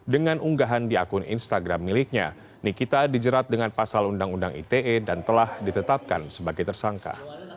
dengan unggahan di akun instagram miliknya nikita dijerat dengan pasal undang undang ite dan telah ditetapkan sebagai tersangka